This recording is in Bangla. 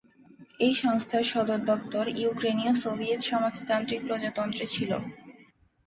এই সংস্থার সদর দপ্তর ইউক্রেনীয় সোভিয়েত সমাজতান্ত্রিক প্রজাতন্ত্রে ছিল।